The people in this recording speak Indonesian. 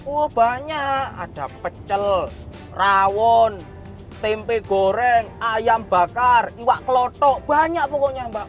wah banyak ada pecel rawon tempe goreng ayam bakar iwak keloto banyak pokoknya mbak